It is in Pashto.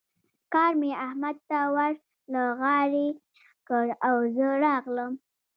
کار مې احمد ته ور له غاړې کړ او زه راغلم.